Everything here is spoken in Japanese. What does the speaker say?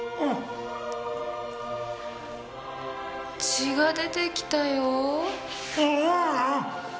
血が出てきたよぉ。